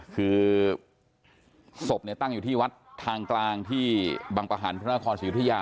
คือศพตั้งอยู่ที่วัดทางกลางที่บังประหันพระนครศรีอุทยา